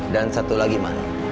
dan satu lagi man